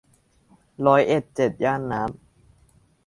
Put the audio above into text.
ร้อยเอ็ดเจ็ดย่านน้ำ